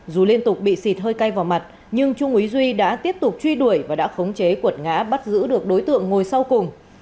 dù liên tục bị xịt hơi cay vào mặt nhưng trung úy duy đã tiếp tục truy đuổi và đã khống chế cuột ngã bắt giữ được đối tượng ngồi sau cùng